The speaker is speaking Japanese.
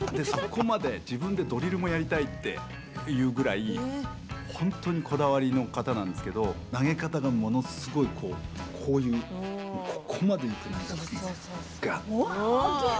そこまで、自分でドリルもやりたいっていうぐらい本当にこだわりの方なんですけど投げ方がものすごい、こういうここまでいく投げ方するんですよがーって。